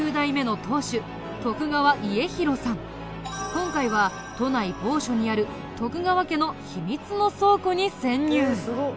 今回は都内某所にある川家の秘密の倉庫に潜入。